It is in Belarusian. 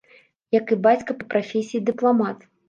Як і бацька, па прафесіі дыпламат.